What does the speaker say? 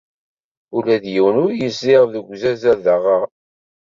Ula d yiwen ur yezdiɣ deg uzadaɣ-a.